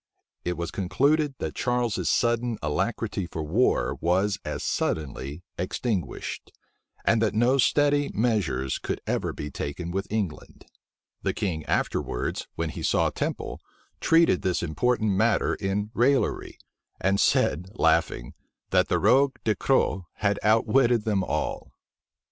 It was concluded that Charles's sudden alacrity for war was as suddenly extinguished, and that no steady measures could ever be taken with England. The king afterwards, when he saw Temple, treated this important matter in raillery; and said, laughing, that the rogue Du Cros had outwitted them all.